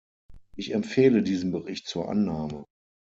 Ich empfehle diesen Bericht zur Annahme.